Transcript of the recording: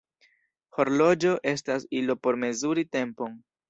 Horloĝo estas ilo por mezuri tempon.